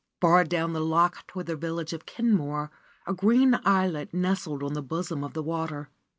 Far down the loch toward the village of Kenmore a green islet nestled on the bosom of the water.